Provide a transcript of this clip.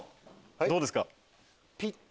どうですか？